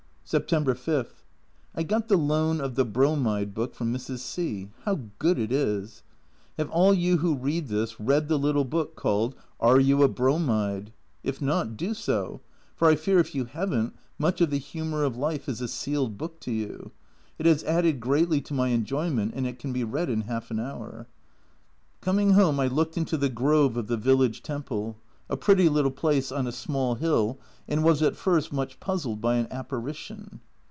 September 5. I got the loan of the " Bromide" book from Mrs. C , how good it is. Have all you who read this read the little book called " Are you a Bromide? " If not, do so ; for I fear if you haven't, much of the humour of life is a sealed book to you. It has added greatly to my enjoyment, and it can be read in half an hour. Coming home I looked into the grove of the village temple, a pretty little place on a small hill, and was at first much puzzled by an apparition.